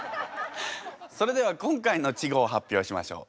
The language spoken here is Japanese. それでは今回の稚語を発表しましょう。